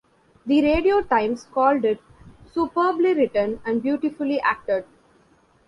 The Radio Times called it "superbly written and beautifully acted".